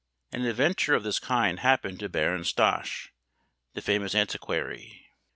An adventure of this kind happened to Baron Stosch, the famous antiquary.